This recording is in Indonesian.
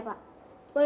di bagian karya